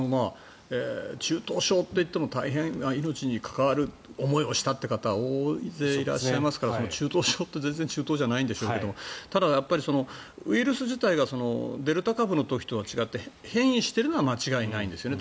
中等症って言っても大変命に関わる思いをしたっていう方は大勢いらっしゃいますから中等症って全然中等症じゃないんでしょうがただウイルス自体がデルタ株の時とは違って変異しているのは間違いないんですよね。